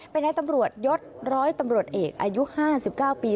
เป็นนายตำรวจยศร้อยตำรวจเอกอายุ๕๙ปี